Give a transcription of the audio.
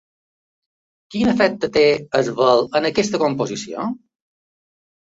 Quin efecte té el vel en aquesta composició?